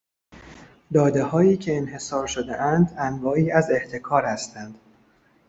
داده هایی که انحصار شده اند، انواعی از احتکار هستند